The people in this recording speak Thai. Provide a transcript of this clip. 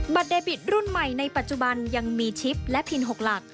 เดบิตรุ่นใหม่ในปัจจุบันยังมีชิปและพิน๖หลัก